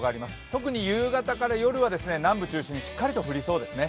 特に夕方から夜は、南部中心にしっかり降りそうですね。